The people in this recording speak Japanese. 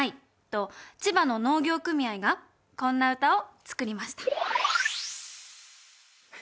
と千葉の農業組合がこんな歌を作りました